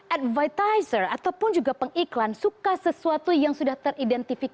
advertiser ataupun juga pengiklan suka sesuatu yang sudah teridentifikasi melalui facebook